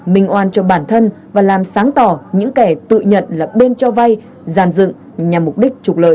minh oan cho bản thân và làm sáng tỏ những kẻ tự nhận là bên cho vay giàn dựng nhằm mục đích trục lợi